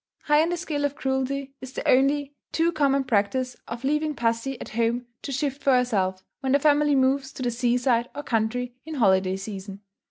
Higher in the scale of cruelty is the only too common practice of leaving pussy at home to shift for herself, when the family moves to the seaside or country, in holiday season.